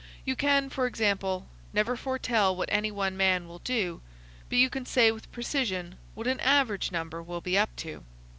You can, for example, never foretell what any one man will do, but you can say with precision what an average number will be up to.